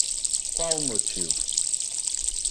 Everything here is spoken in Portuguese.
Qual o motivo?